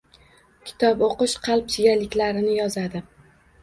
Kitob o‘qish qalb chigalliklarini yozadi.